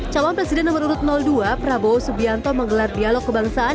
calon presiden nomor urut dua prabowo subianto menggelar dialog kebangsaan